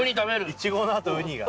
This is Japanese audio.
イチゴの後ウニが。